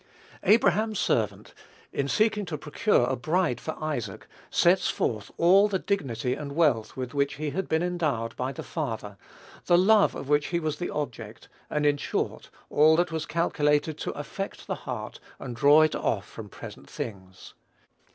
Abraham's servant, in seeking to procure a bride for Isaac, sets forth all the dignity and wealth with which he had been endowed by the father; the love of which he was the object; and, in short, all that was calculated to affect the heart and draw it off from present things.